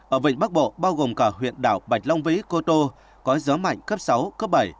ở vịnh bắc bộ bao gồm cả huyện đảo bạch long vĩ cô tô có gió mạnh cấp sáu cấp bảy